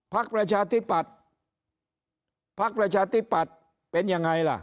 พักประชาธิปัตย์พักประชาธิปัตย์เป็นยังไงล่ะ